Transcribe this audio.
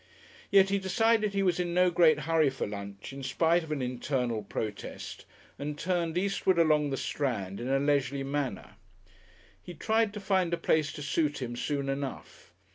Yet he decided he was in no great hurry for lunch, in spite of an internal protest, and turned eastward along the Strand in a leisurely manner. He tried to find a place to suit him soon enough.